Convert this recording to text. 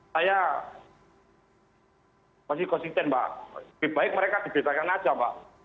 saya masih konsisten pak lebih baik mereka dibedakan aja pak